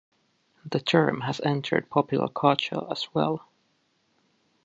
The term has entered popular culture as well.